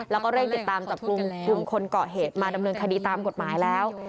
แล้วก็เร่งติดตามจับกลุ่มคนเกาะเหตุมาดำเนินคดีตามกฎหมายแล้ว